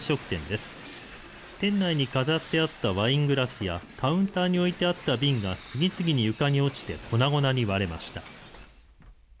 店内に飾ってあったワイングラスやカウンターに置いてあった瓶が次々に床に落ちて粉々に割れました。